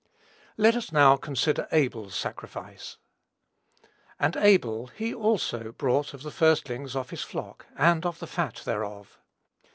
Let us now consider Abel's sacrifice. "And Abel, he also brought of the firstlings of his flock, and of the fat thereof."